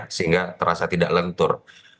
sehingga terasa tidak lentur